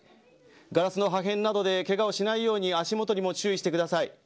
ガラスの破片などでけがをしないように足元にも注意してください。